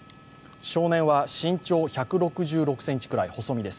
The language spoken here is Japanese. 少年は身長１６６ｃｍくらい、細身です。